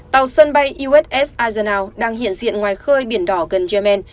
tàu sân bay uss azerna đang hiện diện ngoài khơi biển đỏ gần yemen